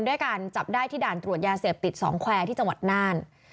ด้วยการจับได้ที่ด่านตรวจยาเสพติดสองแควร์ที่จังหวัดน่าน